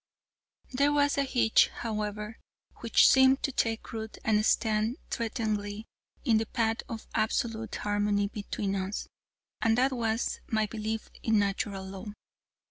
There was one hitch, however, which seemed to take root and stand threateningly in the path of absolute harmony between us, and that was my belief in Natural Law.